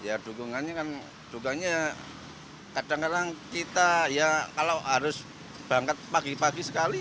ya dukungannya kan dukanya kadang kadang kita ya kalau harus berangkat pagi pagi sekali